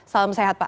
salam sehat pak